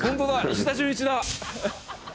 石田純一だ。